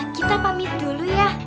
kita pamit dulu ya